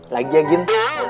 lagi ya gin